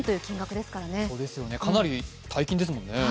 かなり大金ですもんね。